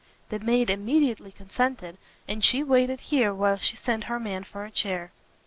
The maid immediately consented, and she waited here while she sent her man for a chair.